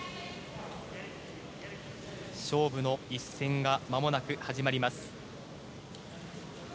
勝負の１戦がまもなく始まります。